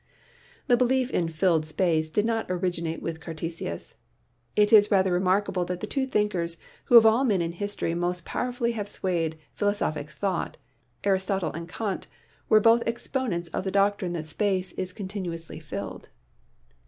The belief in "filled space" did not originate with Car tesius. It is rather remarkable that the two thinkers who of all men in history most powerfully have swayed philo sophic thought, Aristotle and Kant, were both exponents of the doctrine that space is continuously filled.